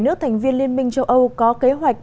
hai mươi bảy nước thành viên liên minh châu âu có kế hoạch